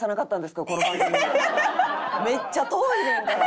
めっちゃ遠いねんから。